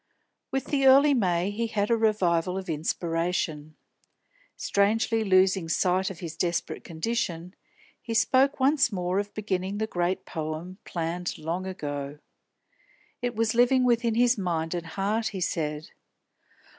With the early May he had a revival of inspiration. Strangely losing sight of his desperate condition, he spoke once more of beginning the great poem planned long ago. It was living within his mind and heart, he said.